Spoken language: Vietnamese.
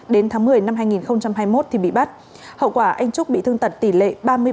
đến tháng một mươi năm hai nghìn hai mươi một thì bị bắt hậu quả anh trúc bị thương tật tỷ lệ ba mươi ba